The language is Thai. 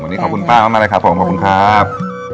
วันนี้ขอบคุณป้ามากเลยครับผมขอบคุณครับ